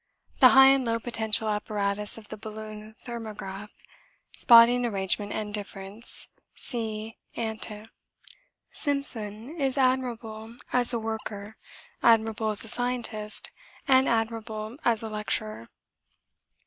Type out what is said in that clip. The high and low potential apparatus of the balloon thermograph Spotting arrangement and difference, see ante. Simpson is admirable as a worker, admirable as a scientist, and admirable as a lecturer.